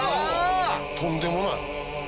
とんでもない。